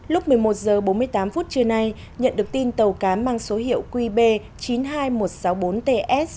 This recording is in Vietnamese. lúc một mươi một h bốn mươi tám phút trưa nay nhận được tin tàu cá mang số hiệu qb chín mươi hai nghìn một trăm sáu mươi bốn ts